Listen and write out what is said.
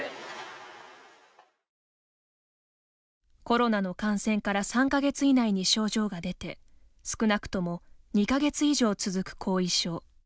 コロナの感染から３か月以内に症状が出て少なくとも２か月以上続く後遺症。